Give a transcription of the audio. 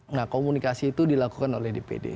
nah komunikasi itu dilakukan oleh dpd